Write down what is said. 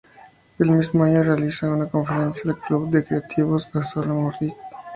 El mismo año, realiza una conferencia al Club de Creativos, a Sala Moritz.